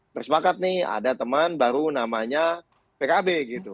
bersebakat nih ada teman baru namanya pkb